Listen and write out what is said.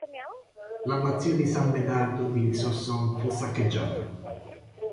L'abbazia di San Medardo di Soissons fu saccheggiata.